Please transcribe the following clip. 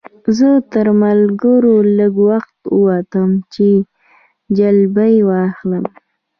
زه تر ملګرو لږ وخته ووتم چې جلبۍ واخلم.